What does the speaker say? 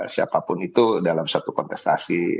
siapapun itu dalam suatu kontestasi